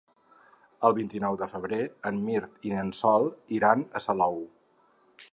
El vint-i-nou de febrer en Mirt i en Sol iran a Salou.